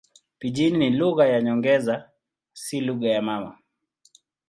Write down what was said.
Pijini ni lugha za nyongeza, si lugha mama.